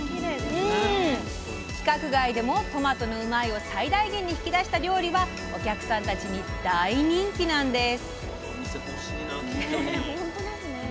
規格外でもトマトの「うまいッ！」を最大限に引き出した料理はお客さんたちに大人気なんです。